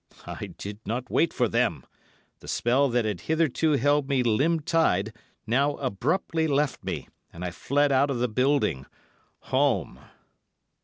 I did not wait for them. The spell that had hitherto held me limb tied now abruptly left me, and I fled out of the building—home.